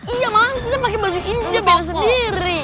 iya malah kita pakai baju ini aja beda sendiri